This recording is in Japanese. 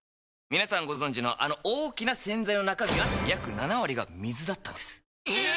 皆さんご存知のあの大きな洗剤の中身は約７割が水だったんですええっ！